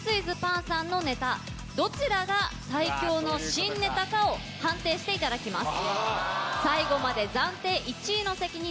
のネタどちらが最強の新ネタかを判定していただきます。